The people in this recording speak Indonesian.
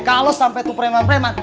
kalo sampe tuh preman preman